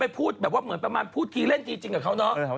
พูดทีเล่นทีจริงกับเขาเนอะ